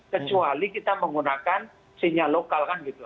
kecuali kita menggunakan sinyal lokal kan gitu